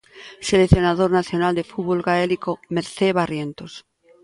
Seleccionador nacional de fútbol gaélico Mercé Barrientos.